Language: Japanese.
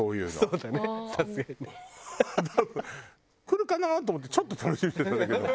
来るかな？と思ってちょっと楽しみにしてたんだけど。